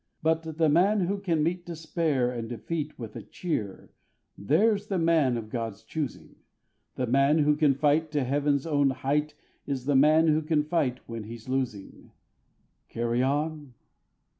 But the man who can meet despair and defeat With a cheer, there's the man of God's choosing; The man who can fight to Heaven's own height Is the man who can fight when he's losing. Carry on!